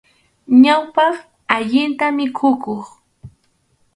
Ñawpaq, allinta mikhukuq.